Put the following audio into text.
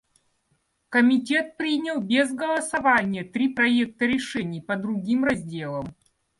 Комитет принял без голосования три проекта решений по другим разделам.